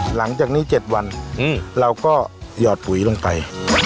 หลังจากนี้๗วันเราก็หยอดปุ๋ยลงไป